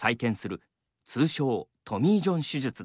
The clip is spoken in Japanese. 通称トミー・ジョン手術です。